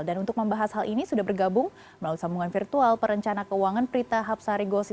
dan untuk membahas hal ini sudah bergabung melalui sambungan virtual perencana keuangan prita hapsari gosi